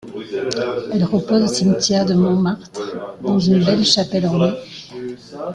Elle repose au Cimetière de Montmartre dans une belle chapelle ornée.